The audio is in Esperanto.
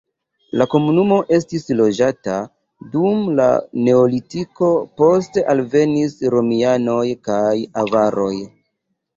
La komunumo estis loĝata dum la neolitiko, poste alvenis romianoj kaj avaroj.